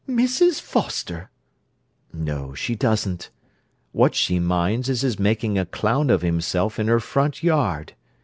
"Mrs. Foster!" "No, she doesn't. What she minds is his making a clown of himself in her front yard!